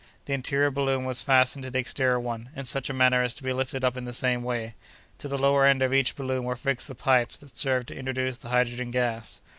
The interior balloon was fastened to the exterior one, in such manner as to be lifted up in the same way. To the lower end of each balloon were fixed the pipes that served to introduce the hydrogen gas.